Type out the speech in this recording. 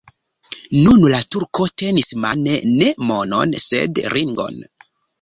Nun la turko tenis mane ne monon, sed ringon.